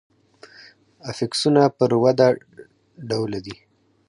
افیکسونه پر وده ډوله دي.